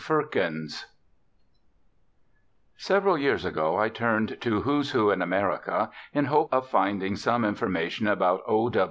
FIRKINS Several years ago I turned to Who's Who in America in hope of finding some information about O.